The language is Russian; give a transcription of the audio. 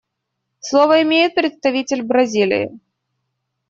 Слово имеет представитель Бразилии.